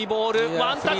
ワンタッチ。